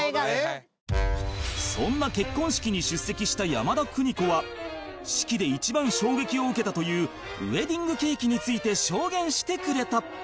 そんな結婚式に出席した山田邦子は式で一番衝撃を受けたというウエディングケーキについて証言してくれた